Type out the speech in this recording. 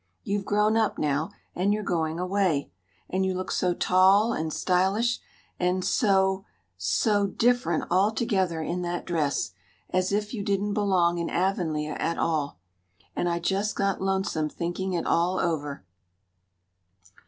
You've grown up now and you're going away; and you look so tall and stylish and so so different altogether in that dress as if you didn't belong in Avonlea at all and I just got lonesome thinking it all over."